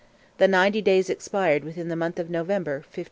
The ninety days expired with the month of November, 1534.